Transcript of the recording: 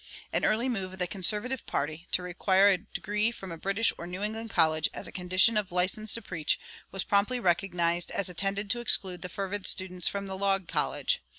An early move of the conservative party, to require a degree from a British or a New England college as a condition of license to preach, was promptly recognized as intended to exclude the fervid students from the Log College.